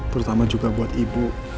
terutama juga buat ibu